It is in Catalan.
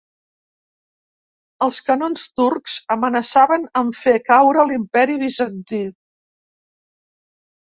Els canons turcs amenaçaven amb fer caure l'imperi bizantí.